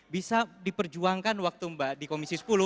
bisa diperjuangkan waktu mbak di komisi sepuluh